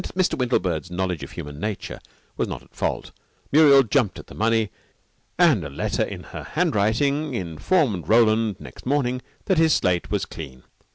Mr. Windlebird's knowledge of human nature was not at fault. Muriel jumped at the money, and a letter in her handwriting informed Roland next morning that his slate was clean.